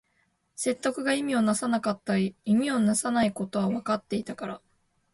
説得が意味をなさないことはわかっていたから